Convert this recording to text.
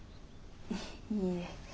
いいえ。